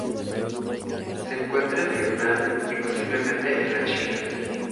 Se encuentra en Vietnam y, posiblemente en la China.